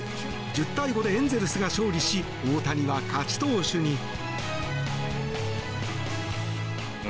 １０対５でエンゼルスが勝利し大谷は勝ち投手に。